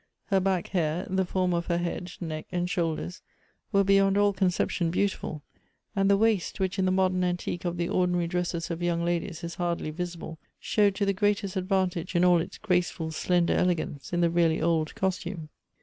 Her back hair, the form of her head, neck, and shoulders, were beyond all conception beauti ful; and the waist, which in the modern antique of the ordi nary dresses of young ladies is hardly visible, showed to the greatest advantage in all its graceful slender elegance in the really old costume.